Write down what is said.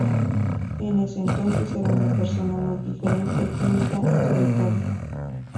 En ese entonces era una persona muy diferente: tímida y solitaria.